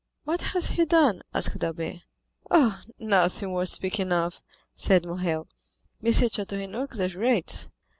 "What has he done?" asked Albert. "Oh, nothing worth speaking of," said Morrel; "M. de Château Renaud exaggerates."